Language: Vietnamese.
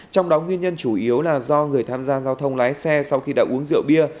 trong đó nguyên nhân chủ yếu là do người tham gia giao thông lái xe sau khi đã uống rượu bia